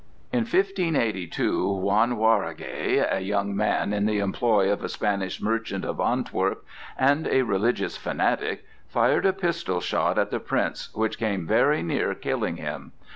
In 1582, Juan Jaureguy, a young man in the employ of a Spanish merchant of Antwerp, and a religious fanatic, fired a pistol shot at the Prince which came very near killing him.